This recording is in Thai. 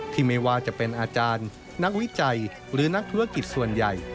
ไม่ว่าจะเป็นอาจารย์นักวิจัยหรือนักธุรกิจส่วนใหญ่